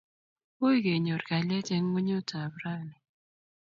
Ui kenyor kalyet eng' ng'onyut ap raini